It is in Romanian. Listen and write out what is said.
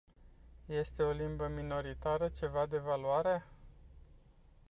Este o limbă minoritară ceva de valoare?